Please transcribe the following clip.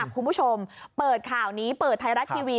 คุณผู้ชมเปิดข่าวนี้เปิดไทยรัฐทีวี